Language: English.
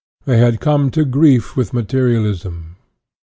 They had come to grief with materialism.